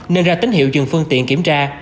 nên ra tín hiệu dừng phương tiện kiểm tra